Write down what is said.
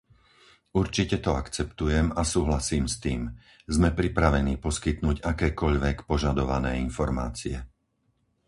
Určite to akceptujem a súhlasím s tým; sme pripravení poskytnúť akékoľvek požadované informácie.